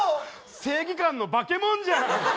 正義感の化けもんじゃん！